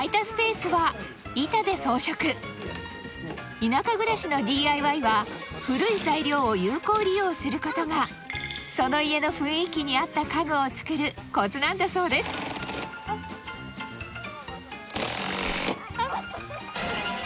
スペースは板で装飾田舎暮らしのＤＩＹは古い材料を有効利用することがその家の雰囲気に合った家具を作るコツなんだそうですあっ！